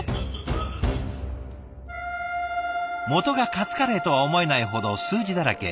元がカツカレーとは思えないほど数字だらけ。